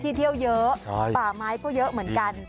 ที่เที่ยวเยอะป่าไม้เพราะเยอะเหมือนกัน